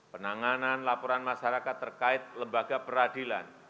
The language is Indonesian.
penanganan laporan masyarakat terkait lembaga peradilan